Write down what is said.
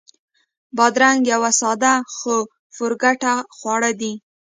بادرنګ یو ساده خو پُرګټه خواړه دي.